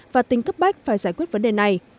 và tính cấp bách phải giải quyết vấn đề này